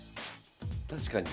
確かに。